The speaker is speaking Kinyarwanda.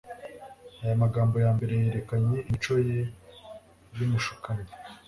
aya magambo ya mbere yerekanye imico ye y'umushukanyi